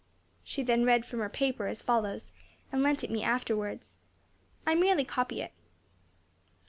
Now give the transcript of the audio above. She then read from her paper as follows, and lent it me afterwards. I merely copy it.